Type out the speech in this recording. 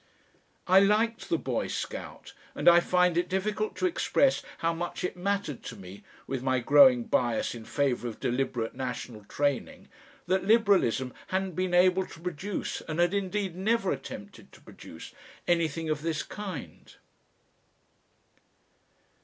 I liked the Boy Scout, and I find it difficult to express how much it mattered to me, with my growing bias in favour of deliberate national training, that Liberalism hadn't been able to produce, and had indeed never attempted to produce, anything of this kind.